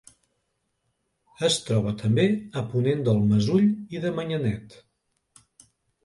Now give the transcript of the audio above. Es troba també a ponent del Mesull i de Manyanet.